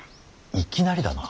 いきなりだな。